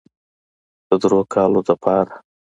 د دريو کالو دپاره